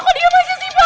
kok dia masih sih pa